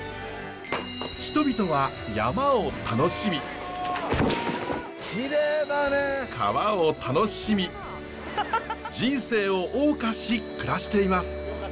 人々は山を楽しみ川を楽しみ人生を謳歌し暮らしています。